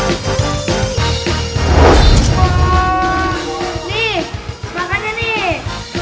nih semangkanya nih